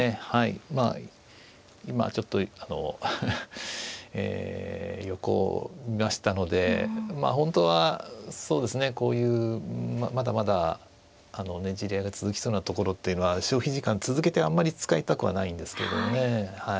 まあ今ちょっとあのえ横を見ましたのでまあ本当はそうですねこういうまだまだねじり合いが続きそうなところっていうのは消費時間続けてあんまり使いたくはないんですけどもね。